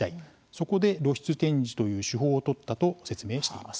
そこで露出展示という手法を取ったと説明しています。